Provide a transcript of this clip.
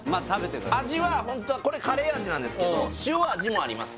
味はホントはこれカレー味なんですけど塩味もあります